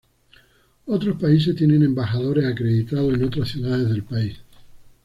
Otros países tienen embajadores acreditados en otras ciudades del país.